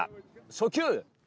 初球！